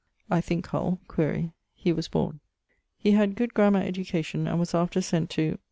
(I thinke, Hull: quaere) ..., he was borne. He had good grammar education: and was after sent to